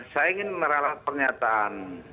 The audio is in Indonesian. saya ingin merarap pernyataan